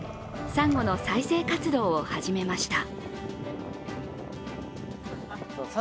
サンゴの再生活動を始めました。